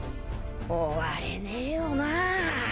終われねえよなぁ。